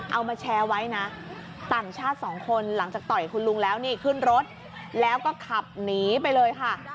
เอามาแชร์ไว้นะต่างชาติสองคนหลังจากต่อยคุณลุงแล้วนี่ขึ้นรถแล้วก็ขับหนีไปเลยค่ะ